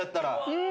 うん。